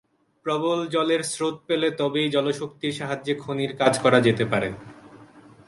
প্রবল জলের স্রোত পেলে তবেই জলশক্তির সাহায্যে খনির কাজ করা যেতে পারে।